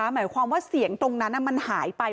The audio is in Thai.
หมายความว่าเสียงตรงนั้นมันหายไป